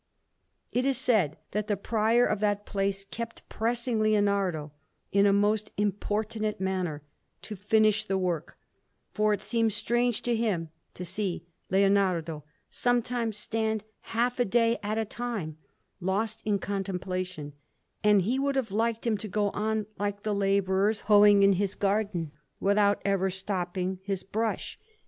_] It is said that the Prior of that place kept pressing Leonardo, in a most importunate manner, to finish the work; for it seemed strange to him to see Leonardo sometimes stand half a day at a time, lost in contemplation, and he would have liked him to go on like the labourers hoeing in his garden, without ever stopping his brush.